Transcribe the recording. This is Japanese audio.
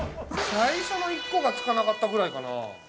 最初の１個がつかなかったぐらいかな？